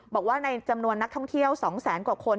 บอกว่าในจำนวนนักท่องเที่ยว๒แสนกว่าคน